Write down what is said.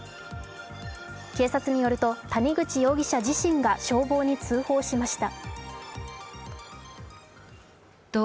警察によると谷口容疑者自身が消防に通報しました。